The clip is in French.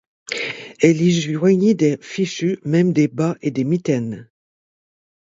Elle y joignit des fichus, même des bas et des mitaines.